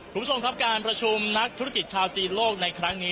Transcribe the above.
คุณผู้ชมครับการประชุมนักธุรกิจชาวจีนโลกในครั้งนี้